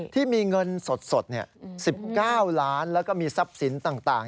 ที่มีเงินสด๑๙ล้านแล้วก็มีทรัพย์สินต่าง